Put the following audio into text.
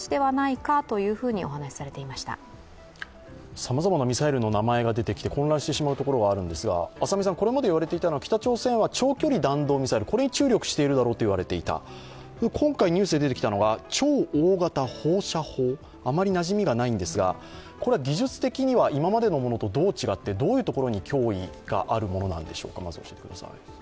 さまざまなミサイルの名前が出てきて混乱してしまうことがあるんですがこれまで言われていたのは、北朝鮮は長距離弾道ミサイル、これに注力しているだろうと言われていた、今回ニュースで出てきたのは超大型放射砲、あまりなじみがないんですが、これは技術的には今までのものとどう違って、どういうところに脅威があるものなんでしょうか？